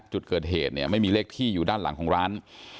จุดเกิดเหตุเนี่ยไม่มีเลขที่อยู่ด้านหลังของร้าน